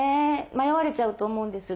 迷われちゃうと思うんです。